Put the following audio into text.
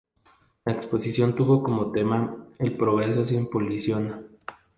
La exposición tuvo como tema "El progreso sin polución".